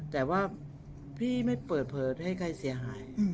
แต่ว่าพี่ไม่เปิดเผยให้ใครเสียหาย